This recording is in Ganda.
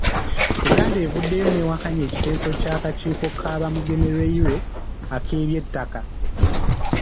Buganda evuddeyo n'ewakanya ekiteeso ky’akakiiko ka Bamugemereire ak'eby'ettaka.